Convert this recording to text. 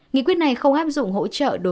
nghị quyết này không áp dụng hỗ trợ